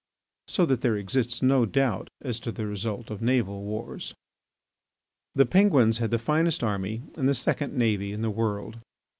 So that there exists no doubt as to the result of naval wars. The Penguins had the finest army and the second navy in the world.